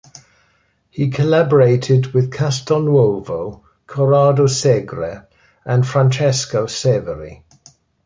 He collaborated with Castelnuovo, Corrado Segre and Francesco Severi.